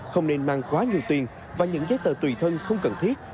không nên mang quá nhiều tiền và những giấy tờ tùy thân không cần thiết